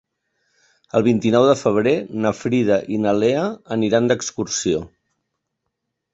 El vint-i-nou de febrer na Frida i na Lea aniran d'excursió.